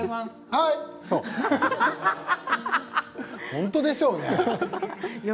本当でしょうね。